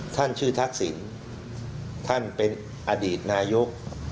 ท่านชื่อทักษิณท่านเป็นอดีตนายก